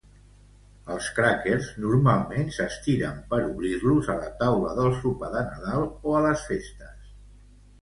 Els crackers normalment s'estiren per obrir-los a la taula del sopar de Nadal o a les festes.